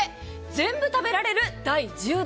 全部食べられる第１０弾。